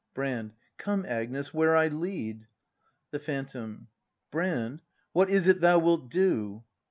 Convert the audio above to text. Brand. Come, Agnes, where I lead! The Phantom. Brand, what is it thou wilt do